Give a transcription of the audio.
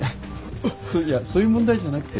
いやそういう問題じゃなくて。